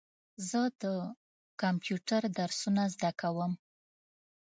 زه د کمپیوټر درسونه زده کوم.